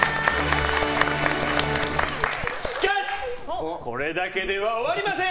しかしこれだけでは終わりません！